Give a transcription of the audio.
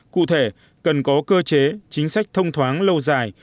cụ thể cần có cơ chế chính sách thông thoáng lâu dài